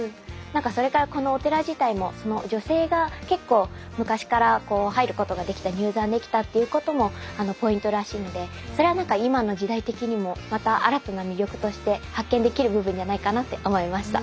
それからこのお寺自体も女性が結構昔から入ることができた入山できたっていうこともポイントらしいのでそれは何か今の時代的にもまた新たな魅力として発見できる部分じゃないかなって思いました。